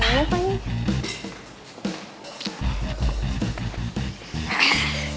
wah apaan ini